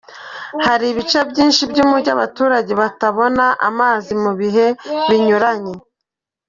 Hari ibice byinshi by’umujyi abaturage batabona amazi mu bihe binyuranye.